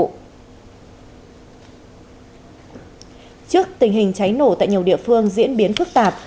trước tình hình cháy nổ tại nhiều địa phương diễn biến phức tạp